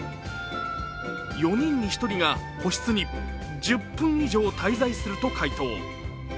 ４人に１人が個室に１０分以上滞在すると回答。